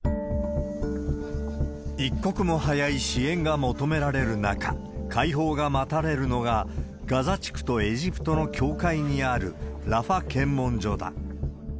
一刻も早い支援が求められる中、解放が待たれるのが、ガザ地区とエジプトの境界にある、ラファ検問所だ。